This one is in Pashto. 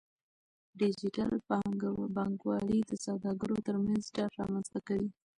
ډیجیټل بانکوالي د سوداګرو ترمنځ ډاډ رامنځته کوي.